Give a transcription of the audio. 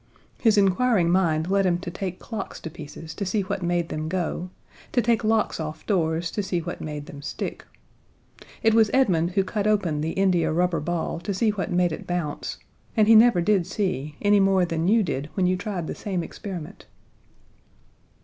His inquiring mind led him to take clocks to pieces to see what made them go, to take locks off doors to see what made them stick. It was Edmund who cut open the India rubber ball to see what made it bounce, and he never did see, any more than you did when you tried the same experiment.